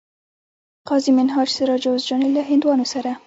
قاضي منهاج سراج جوزجاني له هندوانو سره